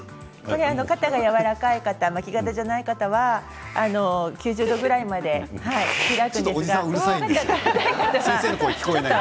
肩がやわらかい方巻き肩じゃない方は９０度ぐらいまで開けます。